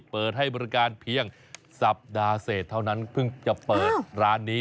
เปิดให้บริการเพียงสัปดาห์เศษเท่านั้นเพิ่งจะเปิดร้านนี้